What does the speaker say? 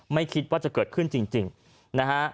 ไม่คิดว่าจะเกิดขึ้นจริงนะฮะ